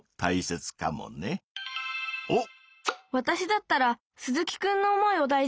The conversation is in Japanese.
おっ！